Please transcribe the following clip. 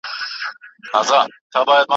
بس همدغه لېونتوب یې وو ښودلی.